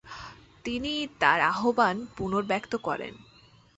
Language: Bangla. তিনি তার আহবান পুনর্ব্যক্ত করেন।